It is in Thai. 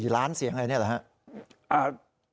ล้านเสียงอะไรเนี่ยเหรอครับ